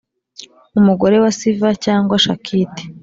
umugore wa siva cyangwa shakiti